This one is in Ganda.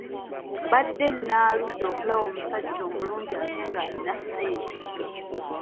Mbadde naaludde okulaba omusajja omulungi ate ng'ayina ssente.